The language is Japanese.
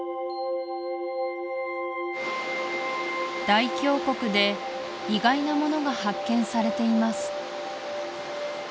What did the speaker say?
大峡谷で意外なものが発見されています